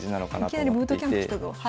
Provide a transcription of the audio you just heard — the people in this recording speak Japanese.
いきなりブートキャンプきたぞ。